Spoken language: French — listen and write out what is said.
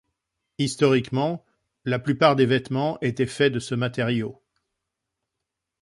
Historiquement, la plupart des vêtements étaient faits de ce matériau.